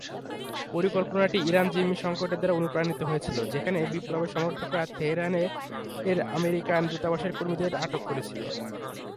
পরিকল্পনাটি ইরান জিম্মি সংকটের দ্বারা অনুপ্রাণিত হয়েছিল, যেখানে বিপ্লবের সমর্থকরা তেহরানের আমেরিকান দূতাবাসের কর্মীদের আটক করেছিল।